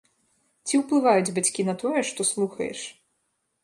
Ці ўплываюць бацькі на тое, што слухаеш?